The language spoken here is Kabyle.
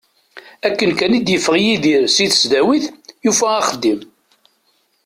Akken kan i d-yeffeɣ Yidir si tesdawit, yufa axeddim.